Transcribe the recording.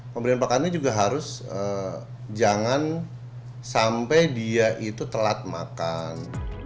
pemberian pakannya juga harus jangan sampai dia itu telat makan